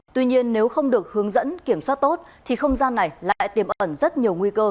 tuy nhiên nếu không được hướng dẫn kiểm soát tốt thì không gian này lại tiềm ẩn rất nhiều nguy cơ